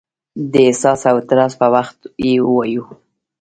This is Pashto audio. د احساس او اعتراض په وخت یې وایو.